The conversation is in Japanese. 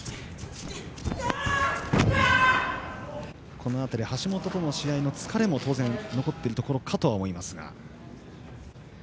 この辺り橋本との試合の疲れも当然、残っているところかとは思いますが。